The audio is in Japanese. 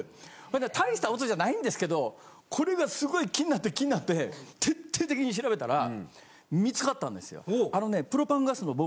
大した音じゃないんですけどこれがすごい気になって気になって徹底的に調べたら見つかったんですよ。